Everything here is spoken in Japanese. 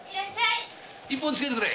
一本つけてくれ。